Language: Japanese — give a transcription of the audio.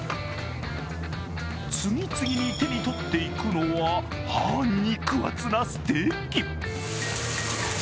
次々に手に取っていくのは肉厚なステーキ。